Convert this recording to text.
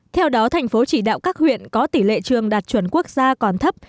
theo đó thành phố chỉ đạo các huyện có tỷ lệ trường đạt chuẩn quốc gia còn thấp